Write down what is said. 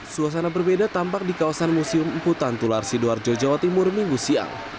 suasana berbeda tampak di kawasan museum empu tantular sidoarjo jawa timur minggu siang